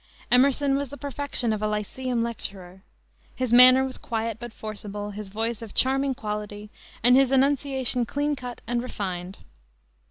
Emerson was the perfection of a lyceum lecturer. His manner was quiet but forcible; his voice of charming quality, and his enunciation clean cut and refined.